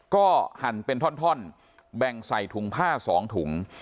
ก็หั่นเป็นท่อนแบ่งใส่ถุงผ้า๒ถุง